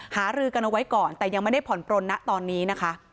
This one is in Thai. หารือกันเอาไว้ก่อนแต่ยังไม่ได้ผ่อนปลนนะตอนนี้นะคะ